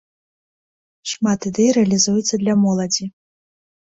Шмат ідэй рэалізуецца для моладзі.